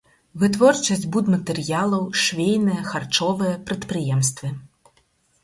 Вытворчасць будматэрыялаў, швейныя, харчовыя прадпрыемствы.